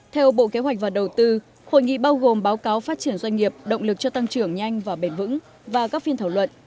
theo bộ kế hoạch và đầu tư hội nghị bao gồm báo cáo phát triển doanh nghiệp động lực cho tăng trưởng nhanh và bền vững và các phiên thảo luận